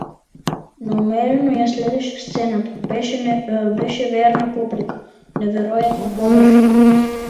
Неуморно ја следеше сцената, беше верна публика, неверојатна поддршка.